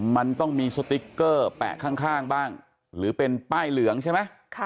มันต้องมีสติ๊กเกอร์แปะข้างบ้างหรือเป็นป้ายเหลืองใช่ไหม